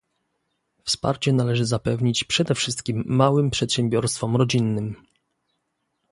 Wsparcie należy zapewnić przede wszystkim małym przedsiębiorstwom rodzinnym